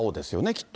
きっと。